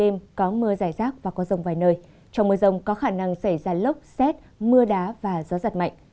mưa dài rác và có rồng vài nơi trong mưa rồng có khả năng xảy ra lốc xét mưa đá và gió giật mạnh